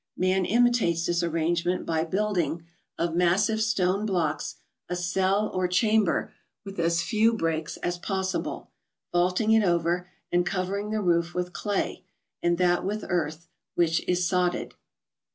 Man imitates this arrange¬ ment by building, of massive stone blocks, a cell or chamber with as few breaks as possible, vaulting it over, and covering the roof with clay, and that with earth, which is sodded.